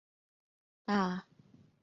大叶冷水花为荨麻科冷水花属的植物。